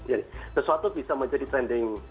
jadi sesuatu bisa menjadi trending